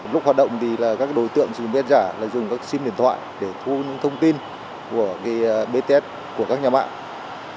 lúc hoạt động thì là các đối tượng dùng bếp giả là dùng các sim điện thoại để thu thông tin của bếp giả của các nhà mạng